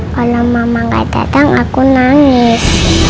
kalau mama gak datang aku nangis